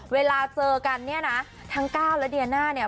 เวลาเจอกันเนี่ยนะทั้งก้าวและเดียน่าเนี่ย